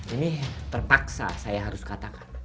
ini terpaksa saya harus katakan